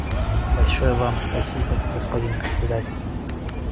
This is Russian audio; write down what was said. Большое Вам спасибо, господин Председатель.